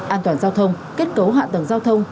an toàn giao thông kết cấu hạ tầng giao thông